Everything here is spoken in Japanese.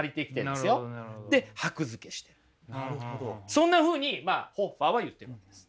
そんなふうにホッファーは言ってるんです。